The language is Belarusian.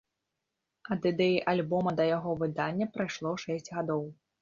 Ад ідэі альбома да яго выдання прайшло шэсць гадоў.